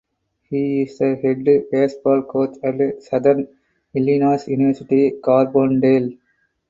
He is the head baseball coach at Southern Illinois University Carbondale.